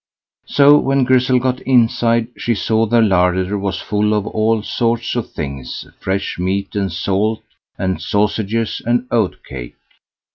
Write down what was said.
So when Grizzel got inside, she saw the larder was full of all sorts of things, fresh meat and salt, and sausages and oat cake.